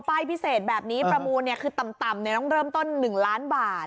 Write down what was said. ป้ายพิเศษแบบนี้ประมูลคือต่ำต้องเริ่มต้น๑ล้านบาท